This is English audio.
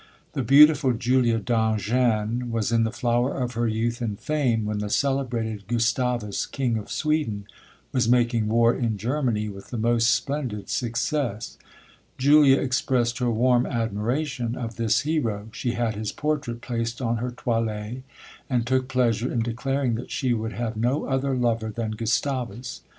The beautiful Julia d'Angennes was in the flower of her youth and fame, when the celebrated Gustavus, king of Sweden, was making war in Germany with the most splendid success. Julia expressed her warm admiration of this hero. She had his portrait placed on her toilet, and took pleasure in declaring that she would have no other lover than Gustavus.